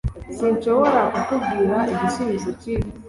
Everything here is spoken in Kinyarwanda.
Sinshobora kukubwira igisubizo cyibyo.